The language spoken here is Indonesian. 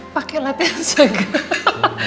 pakai latihan segala